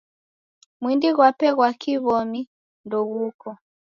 Mwindi ghwape ghwa kiw'omi ndoghuko.